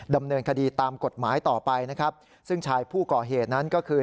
ดำเนินคดีตามกฎหมายต่อไปนะครับซึ่งชายผู้ก่อเหตุนั้นก็คือ